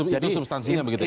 jadi itu substansinya begitu ya